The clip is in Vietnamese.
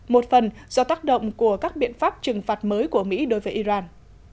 một phần do tác động của các biện pháp trừng phạt mới của mỹ đối với iran